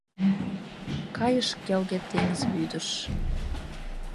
Кайыш келге теҥыз вӱдыш.